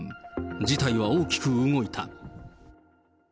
事態は大きく動いた。